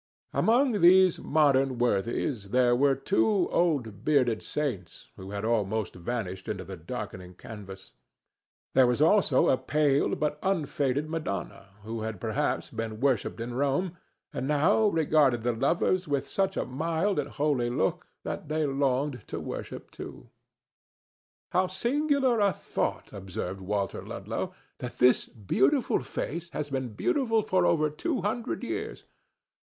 Among these modern worthies there were two old bearded saints who had almost vanished into the darkening canvas. There was also a pale but unfaded Madonna who had perhaps been worshipped in Rome, and now regarded the lovers with such a mild and holy look that they longed to worship too. "How singular a thought," observed Walter Ludlow, "that this beautiful face has been beautiful for above two hundred years!